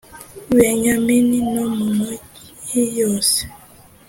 benyamini no mu migi yose